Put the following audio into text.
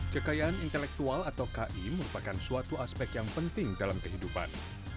kekayaan intelektual atau ki merupakan suatu aspek yang penting dalam kehidupan